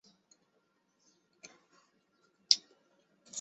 日本狼逍遥蛛为逍遥蛛科狼逍遥蛛属的动物。